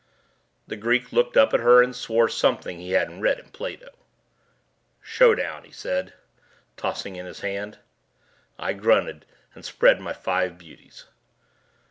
The Greek looked up at her and swore something that he hadn't read in Plato. "Showdown," he said, tossing in his hand. I grunted and spread my five beauties.